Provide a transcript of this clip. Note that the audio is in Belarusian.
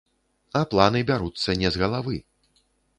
А планы бяруцца не з галавы.